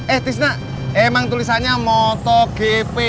eh thisna emang tulisannya motogp